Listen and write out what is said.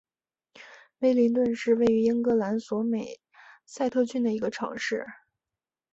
威灵顿是位于英格兰索美塞特郡的一个城市。